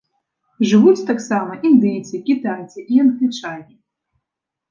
Жывуць таксама індыйцы, кітайцы і англічане.